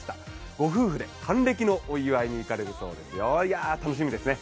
ご夫婦で還暦のお祝いに行かれるそうですよ、楽しみですね。